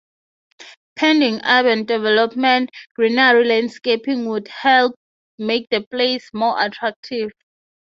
Pending urban development, greenery landscaping would help make the place more attractive.